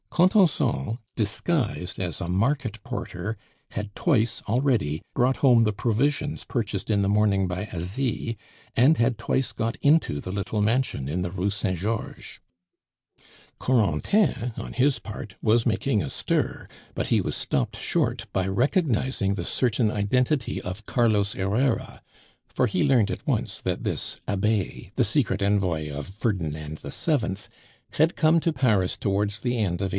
Contenson, disguised as a market porter, had twice already brought home the provisions purchased in the morning by Asie, and had twice got into the little mansion in the Rue Saint Georges. Corentin, on his part, was making a stir; but he was stopped short by recognizing the certain identity of Carlos Herrera; for he learned at once that this Abbe, the secret envoy of Ferdinand VII., had come to Paris towards the end of 1823.